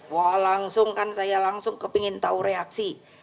wah langsung kan saya langsung kepingin tahu reaksi